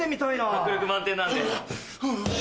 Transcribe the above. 迫力満点なんで。